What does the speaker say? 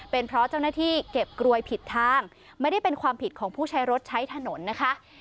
เป็นเพราะเจ้าหน้าที่เก็บกรวยผิดทางไม่ได้เป็นความผิดของผู้ใช้รถใช้ถนนนะคะ